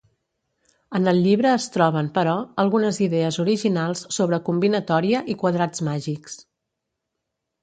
En el llibre es troben, però, algunes idees originals sobre combinatòria i quadrats màgics.